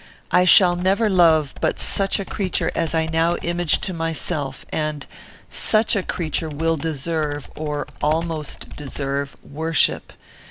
I shall never love but such a creature as I now image to myself, and such a creature will deserve, or almost deserve, worship.